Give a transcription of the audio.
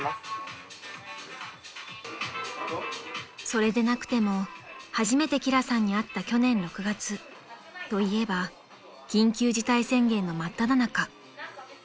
［それでなくても初めて輝さんに会った去年６月といえば緊急事態宣言の真っただ中］